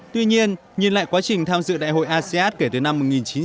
tuy nhiên nhìn lại quá trình tham dự đại hội asean kể từ năm một nghìn chín trăm chín mươi